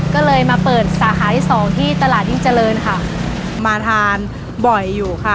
ก็เลยมาเปิดสาขาที่สองที่ตลาดยิ่งเจริญค่ะมาทานบ่อยอยู่ค่ะ